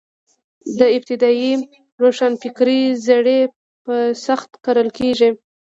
د ابتدايي روښانفکرۍ زړي په سخته کرل کېږي.